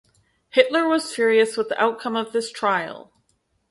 Hitler was furious with the outcome of this trial.